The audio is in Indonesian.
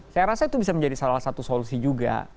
saya rasa itu bisa menjadi salah satu solusi juga